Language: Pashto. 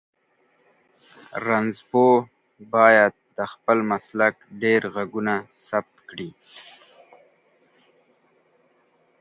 غرونه د افغانستان د اقلیم ځانګړتیا ده.